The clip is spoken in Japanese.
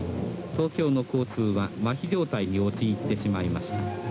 東京の交通はまひ状態に陥ってしまいました。